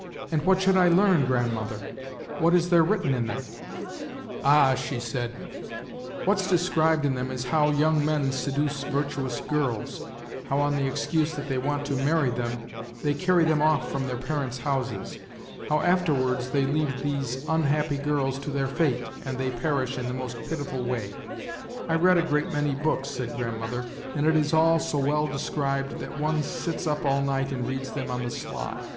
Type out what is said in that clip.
:' And what should I learn, grandmother ? What is there written in them ?'"' Ah,' she said, ' what's described in them, is how young men seduce virtuous girls ; how, on the excuse that they want to marry them, they carry them off from their parents' houses ; how after wards they leave these unhappy girls to their fate, and they perish in the most pitiful way. I read a great many books,' said grandmother, ' and it is all so well described that one sits up all night and reads them on the sly.